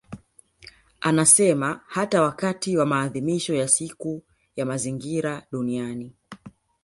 Anasema hata wakati wa maadhimisho wa Siku ya Mazingira Duniani